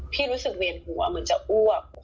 รู้สึกเวียนหัวเหมือนจะอ้วก